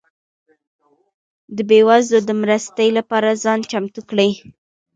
ده بيوزلو ده مرستي لپاره ځان چمتو کړئ